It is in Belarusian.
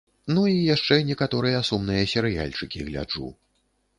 Ну і яшчэ некаторыя сумныя серыяльчыкі гляджу.